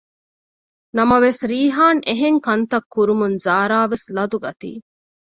ނަމަވެސް ރީހާން އެހެންކަންތައް ކުރުމުން ޒާރާވެސް ލަދުަގަތީ